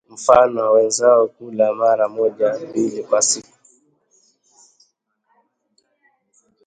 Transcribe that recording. mfano waweza kula mara moja au mbili kwa siku